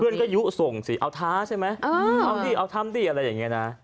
เพื่อนก็ยุส่งสิเอาท้าใช่ไหมเอาดิเอาทำดิอะไรอย่างนี้นะ